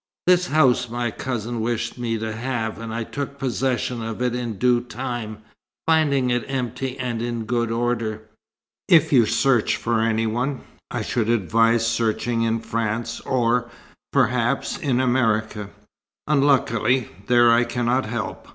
This house my cousin wished me to have, and I took possession of it in due time, finding it empty and in good order. If you search for any one, I should advise searching in France or, perhaps, in America. Unluckily, there I cannot help.